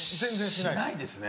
しないですね